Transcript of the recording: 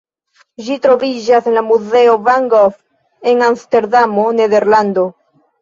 Ĝi troviĝas en la muzeo Van Gogh en Amsterdamo, Nederlando.